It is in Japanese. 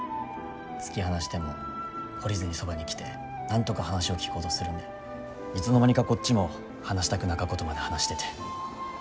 突き放しても懲りずにそばに来てなんとか話を聞こうとするんでいつの間にかこっちも話したくなかことまで話してて。